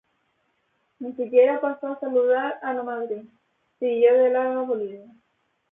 Ni siquiera pasó a saludar a Lamadrid: siguió de largo a Bolivia.